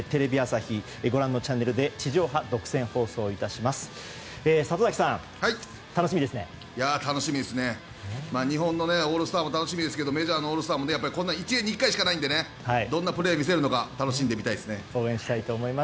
日本のオールスターも楽しみですけどメジャーのオールスターも１年に１回しかないのでどんなプレー見せるのか楽しみです。